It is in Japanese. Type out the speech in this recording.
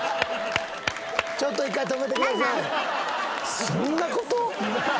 ちょっと１回止めてください。